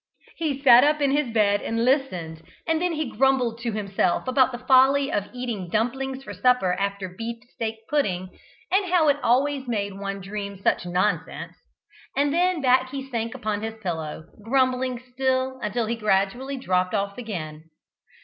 He sat up in his bed and listened, and then he grumbled to himself about the folly of eating dumplings for supper after beefsteak pudding, and how it always made one dream such nonsense, and then back he sank upon his pillow, grumbling still until he gradually dropped off again.